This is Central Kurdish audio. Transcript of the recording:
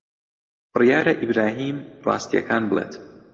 بڕیارە ئیبراهیم ڕاستییەکان بڵێت.